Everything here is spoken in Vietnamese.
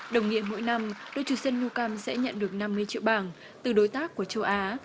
đồng nghĩa mỗi năm đội chủ sân nukem sẽ nhận được năm mươi triệu bảng từ đối tác của châu á